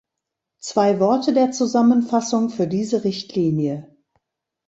Zwei Worte der Zusammenfassung für diese Richtlinie.